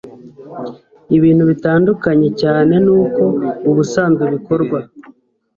ibintu bitandukanye cyane n'uko ubusanzwe bikorwa